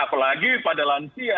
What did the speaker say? apalagi pada lansia